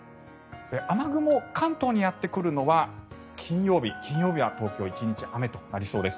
雨雲が関東にやってくるのが金曜日で金曜日は東京は１日雨となりそうです。